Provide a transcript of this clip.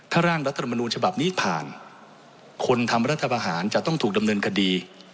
ถ้าร่างรัฐมนูญฉบับนี้ผ่านคนทำรัฐบาหารจะต้องถูกดำเนินคดี